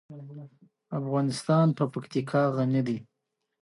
افغانستان په پکتیکا غني دی.